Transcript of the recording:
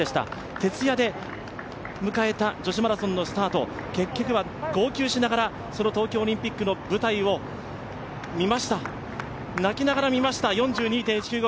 徹夜で迎えた女子マラソンのスタート、結局は号泣しながら東京オリンピックの舞台を見ました、泣きながらみました４２．１９５